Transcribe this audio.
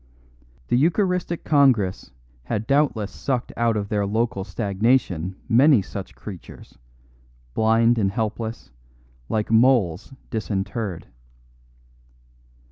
The Eucharistic Congress had doubtless sucked out of their local stagnation many such creatures, blind and helpless, like moles disinterred.